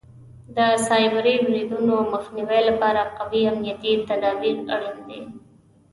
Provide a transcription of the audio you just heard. د سایبري بریدونو مخنیوي لپاره قوي امنیتي تدابیر اړین دي.